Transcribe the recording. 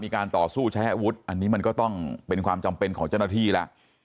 มีการต่อสู้แช่ฮะวุฒิอันนี้มันก็ต้องเป็นความจำเป็นของเจ้าหน้าธี่ล่ะ